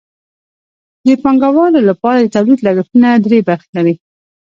د پانګوالو لپاره د تولید لګښتونه درې برخې لري